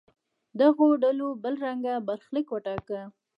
دغو ډلو بل رنګه برخلیک وټاکه.